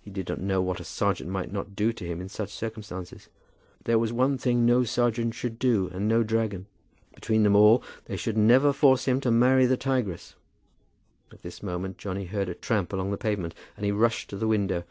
He did not know what a serjeant might not do to him in such circumstances. There was one thing no serjeant should do, and no dragon! Between them all they should never force him to marry the tigress. At this moment Johnny heard a tramp along the pavement, and he rushed to the window.